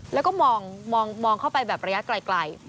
แล้วก็มองเข้าไปแบบระยะไกล